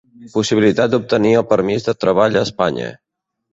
Possibilitat d'obtenir el permís de treball a Espanya.